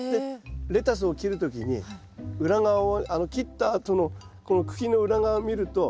レタスを切る時に裏側を切ったあとのこの茎の裏側を見ると白いのが。